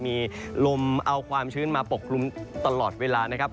มีลมเอาความชื้นมาปกคลุมตลอดเวลานะครับ